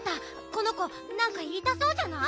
この子なんかいいたそうじゃない？